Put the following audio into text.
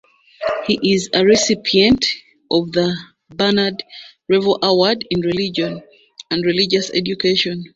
He is a recipient of the Bernard Revel Award in Religion and Religious Education.